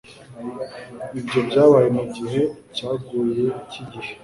Ibyo byabaye mugihe cyaguye cyibihe